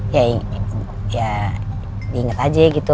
ya diinget aja gitu